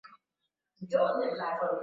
wanataka huo uwe mwanzo wa enzi mpya ya